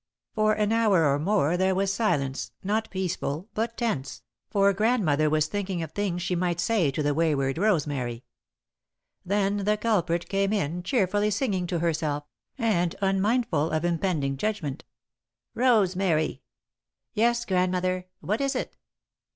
For an hour or more there was silence, not peaceful, but tense, for Grandmother was thinking of things she might say to the wayward Rosemary. Then the culprit came in, cheerfully singing to herself, and unmindful of impending judgment. "Rosemary!" "Yes, Grandmother. What is it?" "Come here!"